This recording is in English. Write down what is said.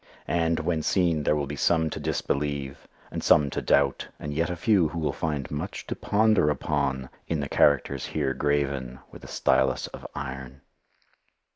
And, when seen, there will be some to disbelieve and some to doubt, and yet a few who will find much to ponder upon in the characters here graven with a stylus of iron.